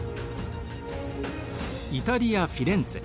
イタリア・フィレンツェ